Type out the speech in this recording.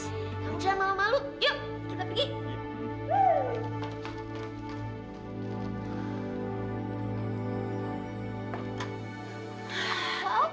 kamu jangan malu malu yuk